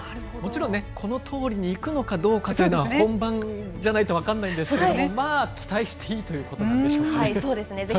もちろんね、このとおりにいくのかどうかというのは、本番じゃないと分かんないんですけれども、まあ、期待していいというこそうですね。